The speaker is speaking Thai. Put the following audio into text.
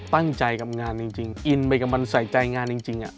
ตั้งใจกับงานจริงจริงอินไปกับมันใส่ใจงานจริงจริงอะ